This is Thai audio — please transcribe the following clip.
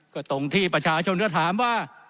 ก็ตรงที่ประชาชนจะถามว่า